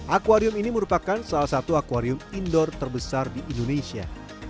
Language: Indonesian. akwarium ini merupakan salah satu akwarium indoor terbesar di indonesia